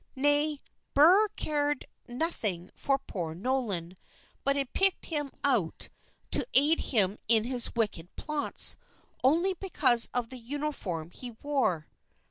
Nay, Burr cared nothing for poor Nolan, but had picked him out to aid him in his wicked plots, only because of the uniform he wore.